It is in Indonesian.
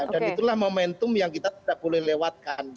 dan itulah momentum yang kita tidak boleh lewatkan